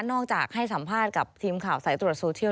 ให้สัมภาษณ์กับทีมข่าวสายตรวจโซเชียล